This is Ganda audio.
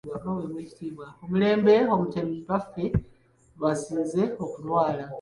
Ku mulembe Omutebi Bbaffe lw'asinze okulwala.